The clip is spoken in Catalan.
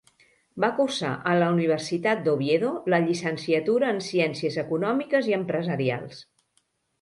Va cursar en la Universitat d'Oviedo la llicenciatura en Ciències Econòmiques i Empresarials.